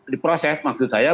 diproses maksud saya